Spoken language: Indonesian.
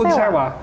itu pun sewa